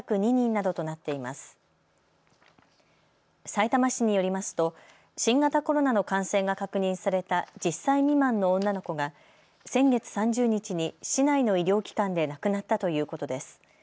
さいたま市によりますと新型コロナの感染が確認された１０歳未満の女の子が先月３０日に市内の医療機関で亡くなったということです。